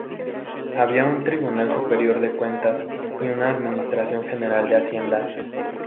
Había un Tribunal Superior de Cuentas y una Administración General de Hacienda.